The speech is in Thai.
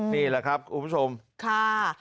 นี่แหละครับคุณผู้ชมค่ะ